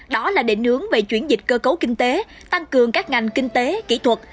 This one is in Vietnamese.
đó là định hướng về chuyển dịch cơ cấu kinh tế tăng cường các ngành kinh tế kỹ thuật